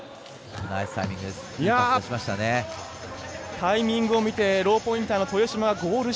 タイミングを見てローポインター豊島がゴール下。